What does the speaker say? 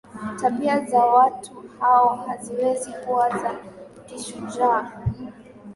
tabia za watu hao haziwezi kuwa za kishujaa